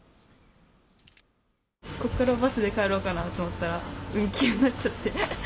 ここからバスで帰ろうかなと思ったら、運休になっちゃって。